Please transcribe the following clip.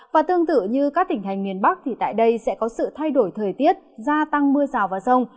và tương tự như các tỉnh thành miền bắc tại đây sẽ có sự thay đổi thời tiết gia tăng mưa rào vào sông